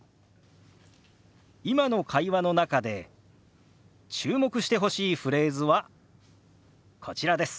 今の会話の中で注目してほしいフレーズはこちらです。